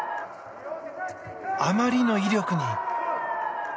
あまりの威力に。